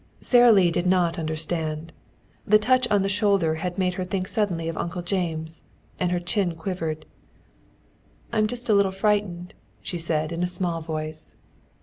Sara Lee did not understand. The touch on the shoulder had made her think suddenly of Uncle James, and her chin quivered. "I'm just a little frightened," she said in a small voice.